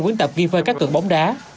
hai quyến tập ghi phơi cá cực bóng đá